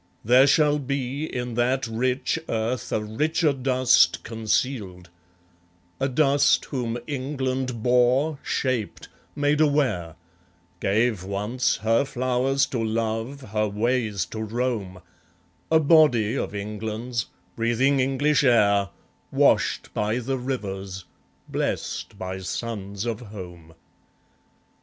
There shall be In that rich earth a richer dust concealed; A dust whom England bore, shaped, made aware, Gave, once, her flowers to love, her ways to roam, A body of England's, breathing English air, Washed by the rivers, blest by suns of home.